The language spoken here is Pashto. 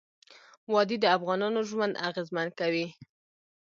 وادي د افغانانو ژوند اغېزمن کوي.